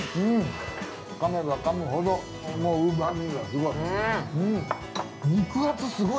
かめばかむほどうまみがすごい。